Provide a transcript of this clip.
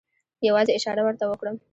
یوازې اشاره ورته وکړم.